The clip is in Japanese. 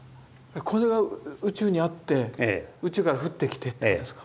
これが宇宙にあって宇宙から降ってきてってことですか。